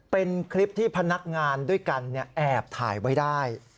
เป็นคลิปที่พนักงานด้วยกันแอบถ่ายไว้ได้